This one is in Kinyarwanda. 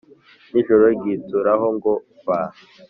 n’ijoro ryituraho ngo ba